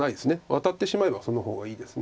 ワタってしまえばその方がいいです。